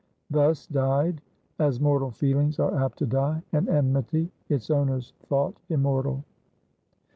Thus died, as mortal feelings are apt to die, an enmity its owners thought immortal.